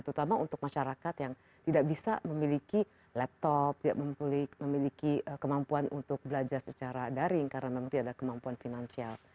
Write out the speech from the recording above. terutama untuk masyarakat yang tidak bisa memiliki laptop tidak memiliki kemampuan untuk belajar secara daring karena memang tidak ada kemampuan finansial